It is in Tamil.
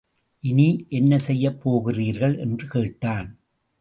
இனி, என்ன செய்யப் போகிறீர்கள்! என்று கேட்டான்.